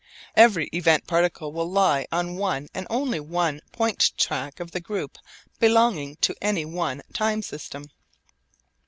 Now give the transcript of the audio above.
Every event particle will lie on one and only one point track of the group belonging to any one time system.